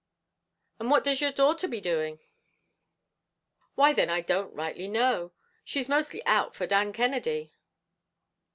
"And what does your daughter be doing?" "Why then I don't rightly know; she's mostly out for Dan Kennedy."